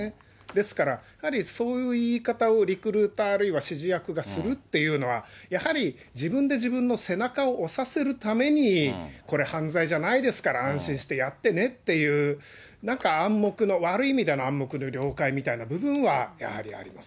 ですからそういう言い方をリクルーター、あるいは指示役がするっていうのは、やはり自分で自分の背中を押させるために、これ犯罪じゃないですから、安心してやってねっていう、なんか暗黙の、悪い意味での暗黙の了解みたいな部分はやはりあります。